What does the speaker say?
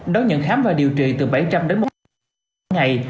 đón nhận khám và điều trị từ bảy trăm linh đến một trăm linh người dân trong một ngày